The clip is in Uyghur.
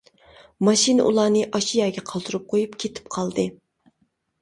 ماشىنا ئۇلارنى ئاشۇ يەرگە قالدۇرۇپ قويۇپ كېتىپ قالدى.